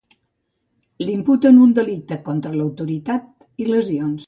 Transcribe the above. Li imputen un delicte contra l’autoritat i lesions.